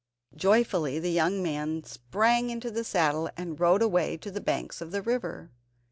Joyfully the young man sprang into the saddle and rode away to the banks of the river.